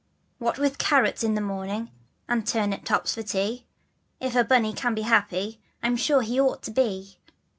"What with carrots in the morning and turnip tops for tea, If a bunny can be happy, I'm sure he ought to be.